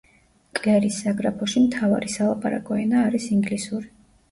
კლერის საგრაფოში მთავარი სალაპარაკო ენა არის ინგლისური.